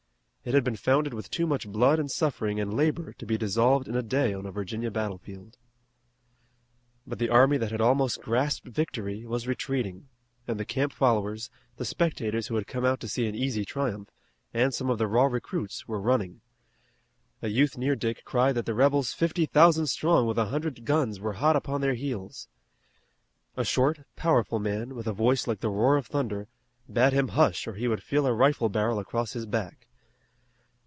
It had been founded with too much blood and suffering and labor to be dissolved in a day on a Virginia battlefield. But the army that had almost grasped victory was retreating, and the camp followers, the spectators who had come out to see an easy triumph, and some of the raw recruits were running. A youth near Dick cried that the rebels fifty thousand strong with a hundred guns were hot upon their heels. A short, powerful man, with a voice like the roar of thunder, bade him hush or he would feel a rifle barrel across his back.